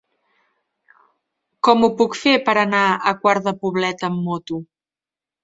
Com ho puc fer per anar a Quart de Poblet amb moto?